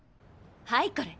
はいこれ